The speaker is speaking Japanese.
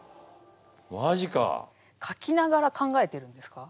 書きながら考えてるんですか？